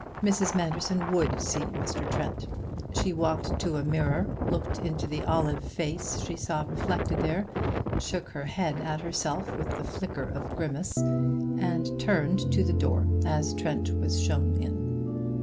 Mrs. Manderson would see Mr. Trent. She walked to a mirror, looked into the olive face she saw reflected there, shook her head at herself with the flicker of a grimace, and turned to the door as Trent was shown in.